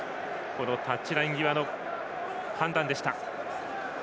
タッチライン際の判断でした。